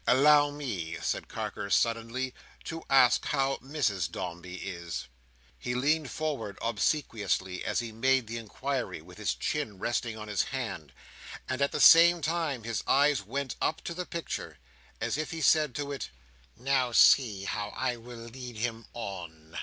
"Allow me," said Carker suddenly, "to ask how Mrs Dombey is?" He leaned forward obsequiously, as he made the inquiry, with his chin resting on his hand; and at the same time his eyes went up to the picture, as if he said to it, "Now, see, how I will lead him on!"